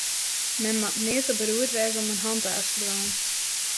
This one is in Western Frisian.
Men moat nea te beroerd wêze om in hantaast te dwaan.